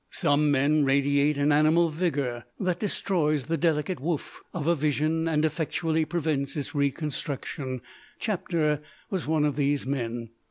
Some men radiate an animal vigour that destroys the delicate woof of a vision and effectually prevents its reconstruction. Chapter was one of these men.